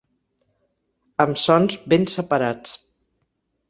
Amb sons ben separats